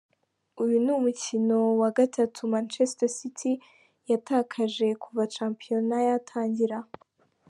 Uyu ni umukino wa gatanu Manchester City yatakaje kuva shampiyona yatangira.